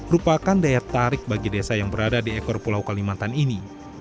rupakan daya tarik bagi desa yang berada di ekor pulau kalimantan ini